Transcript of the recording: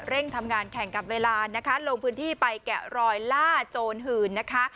ทำงานแข่งกับเวลานะคะลงพื้นที่ไปแกะรอยล่าโจรหื่นนะคะ